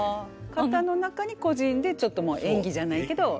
型の中に個人でちょっと演技じゃないけどやって。